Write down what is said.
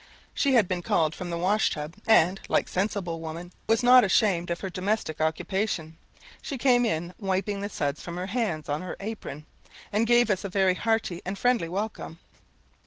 She had been called from the washtub, and, like a sensible woman, was not ashamed of her domestic occupation. She came in wiping the suds from her hands on her apron, and gave us a very hearty and friendly welcome.